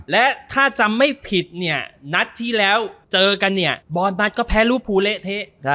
และถ้าจำไม่ผิดเนี่ยนัดที่แล้วเจอกันเนี่ยบอลบัตรก็แพ้รูภูเละเทะ